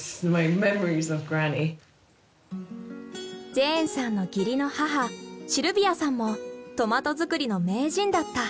ジェーンさんの義理の母シルビアさんもトマト作りの名人だった。